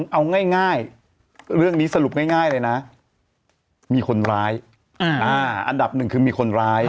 เอาง่ายเรื่องนี้สรุปง่ายเลยนะมีคนร้ายอันดับหนึ่งคือมีคนร้าย